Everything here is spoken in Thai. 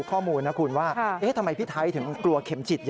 ขอบคุณพี่ไทยที่ขอบคุณพี่ไทยที่ขอบคุณพี่ไทย